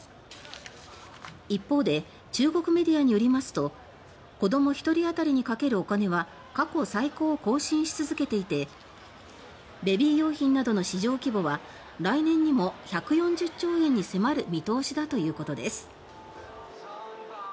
一方で中国メディアによりますと子ども一人あたりにかけるお金は過去最高を更新し続けていてベビー用品などの市場規模は来年にも１４０兆円に迫る見通しだということです。